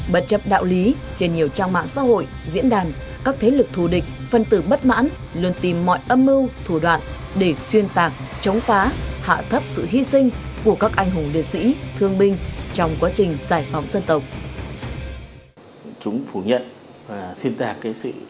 bất chấp đạo lý trên nhiều trang mạng xã hội diễn đàn các thế lực thù địch phân tử bất mãn luôn tìm mọi âm mưu thủ đoạn để xuyên tạc chống phá hạ thấp sự hy sinh của các anh hùng liệt sĩ thương binh trong quá trình giải phóng dân tộc